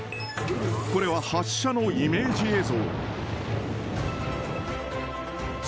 これは発射のイメージ映像。